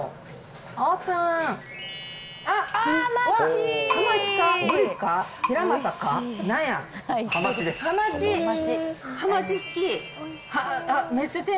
オープン。